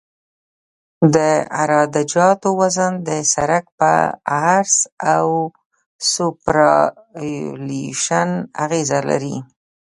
د عراده جاتو وزن د سرک په عرض او سوپرایلیویشن اغیزه لري